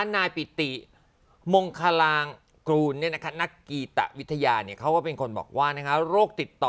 มาดูคุณยายอายุ๑๐๒ปี